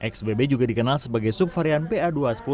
xbb juga dikenal sebagai subvarian ba dua sepuluh